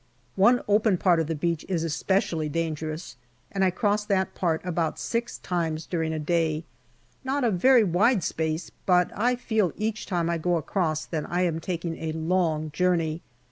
One open part of the beach is especially dangerous, and I cross that part about six times during a day not a very wide space, but I feel each time I go across that I am taking a long journey.